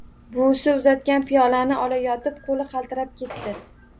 Buvisi uzatgan piyolani olayotib, qo‘li qaltirab ketdi